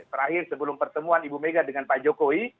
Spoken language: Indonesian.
terakhir sebelum pertemuan ibu mega dengan pak jokowi